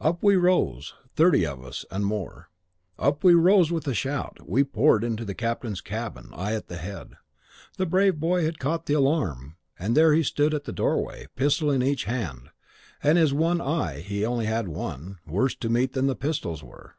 Up we rose, thirty of us and more. Up we rose with a shout; we poured into the captain's cabin, I at the head. The brave old boy had caught the alarm, and there he stood at the doorway, a pistol in each hand; and his one eye (he had only one) worse to meet than the pistols were.